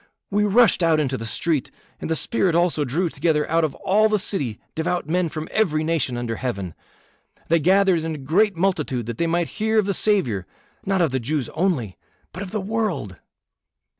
We rushed out into the street, and the Spirit also drew together out of all the city devout men from every nation under heaven. They gathered in a great multitude that they might hear of the Saviour, not of the Jews only, but of the world."